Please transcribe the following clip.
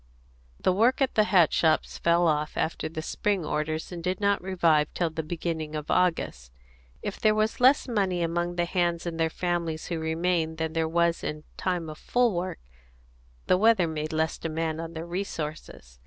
The work at the hat shops fell off after the spring orders, and did not revive till the beginning of August. If there was less money among the hands and their families who remained than there was in time of full work, the weather made less demand upon their resources.